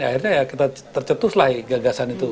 akhirnya ya kita tercetus lah gagasan itu